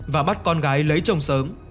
và bắt con gái lấy chồng sớm